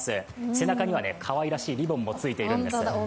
背中にはかわいらしいリボンもついているんです。